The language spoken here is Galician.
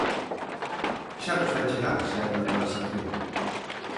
Xa nos fai chegar se hai unha transacción.